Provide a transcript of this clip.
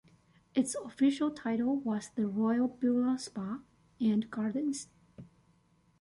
Its official title was The Royal Beulah Spa and Gardens.